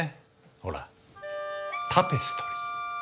ほらタペストリー。